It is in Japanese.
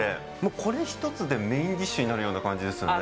これ１つでメインディッシュになるような感じですよね。